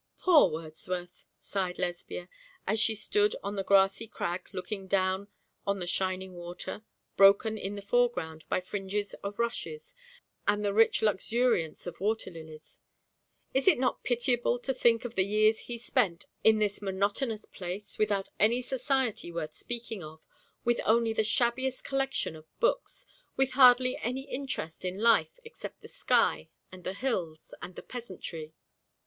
'Poor Wordsworth' sighed Lesbia, as she stood on the grassy crag looking down on the shining water, broken in the foreground by fringes of rushes, and the rich luxuriance of water lilies. 'Is it not pitiable to think of the years he spent in this monotonous place, without any society worth speaking of, with only the shabbiest collection of books, with hardly any interest in life except the sky, and the hills, and the peasantry?'